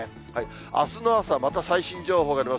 あすの朝、また最新情報が出ます。